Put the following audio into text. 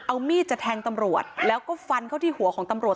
เอามีดจะแทงตำรวจแล้วก็ฟันเข้าที่หัวของตำรวจ